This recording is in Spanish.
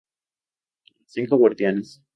Los cinco guardianes"